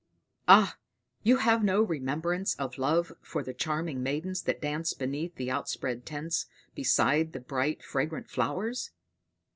"Ah, you have no remembrance of love for the charming maidens that danced beneath the outspread tents beside the bright fragrant flowers?